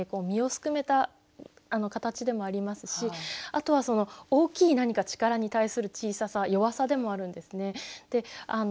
身をすくめた形でもありますしあとは大きい何か力に対する小ささ弱さでもあるんですね。